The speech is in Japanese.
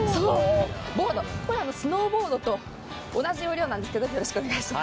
これはスノーボードと同じ要領なんですけど。